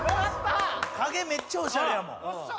影めっちゃおしゃれやもん。